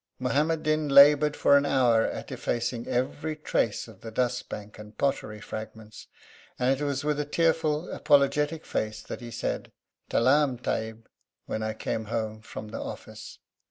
Muhammad Din laboured for an hour at effacing every trace of the dust bank and pottery fragments, and it was with a tearful and apologetic face that he said, 'Talaam, Tahib,' when I came home from office.